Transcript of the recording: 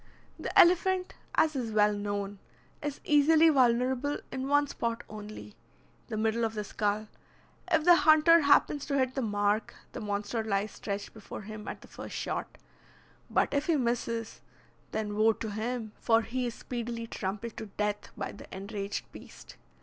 The elephant, as is well known, is easily vulnerable in one spot only, the middle of the skull. If the hunter happens to hit the mark, the monster lies stretched before him at the first shot; but if he misses, then woe to him, for he is speedily trampled to death by the enraged beast.